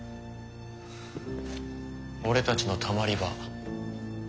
俺たちのたまり場。